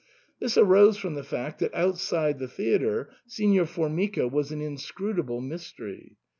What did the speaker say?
This arose from the fact that outside the theatre Signor Formica was an inscrutable mystery.